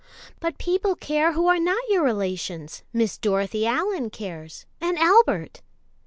"But people care who are not your relations Miss Dorothy Allyn cares, and Albert."